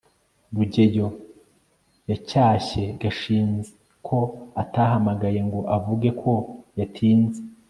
rugeyo yacyashye gashinzi ko atahamagaye ngo avuge ko yatinze